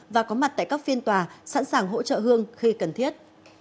và có mặt tại các phiên tòa sẵn sàng hỗ trợ hương khi cần thiết